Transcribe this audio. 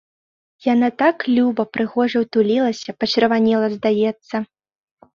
Яна так люба, прыгожа ўтулілася, пачырванела, здаецца.